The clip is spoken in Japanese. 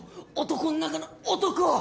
男ん中の男！